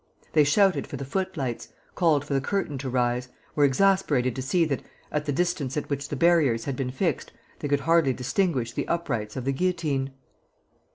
They shouted for the footlights, called for the curtain to rise, were exasperated to see that, at the distance at which the barriers had been fixed, they could hardly distinguish the uprights of the guillotine.